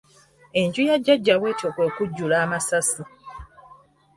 Enju ya Jjajja bw'etyo kwe kujjula amasasi.